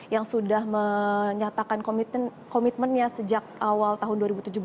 yang sudah menyatakan komitmennya sejak awal tahun dua ribu tujuh belas